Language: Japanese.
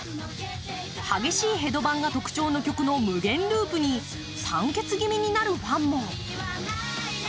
激しいヘドバンが特徴の無限ループに酸欠気味になるファンも。